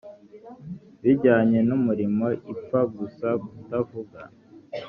bijyanye n umurimo ipfa gusa kutavuga